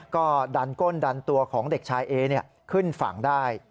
ก็ดันก้นดันตัวของเด็กชายเอขึ้นฝั่งได้